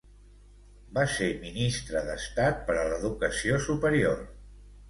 Va ser Ministre d'Estat per a l'Educació Superior.